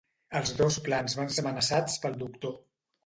Els dos plans van ser amenaçats pel Doctor.